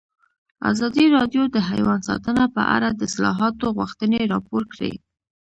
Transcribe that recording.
ازادي راډیو د حیوان ساتنه په اړه د اصلاحاتو غوښتنې راپور کړې.